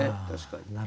確かに。